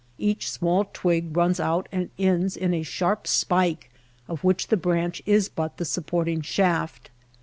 Each small twig runs out and ends in a sharp spike of which the branch is but the supporting shaft.